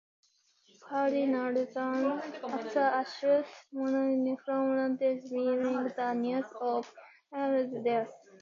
Paulina returns after a short monologue from Leontes, bearing the news of Hermione's death.